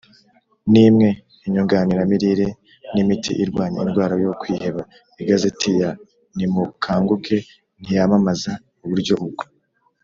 n imwe inyunganiramirire n imiti irwanya indwara yo kwiheba Igazeti ya Nimukanguke ntiyamamaza uburyo ubwo